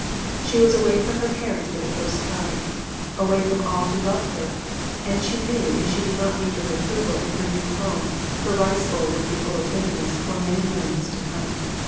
She was away from her parents for the first time, away from all who love her, and she knew if she did not meet with approval in her new home her rice bowl would be full of bitterness for many moons to come.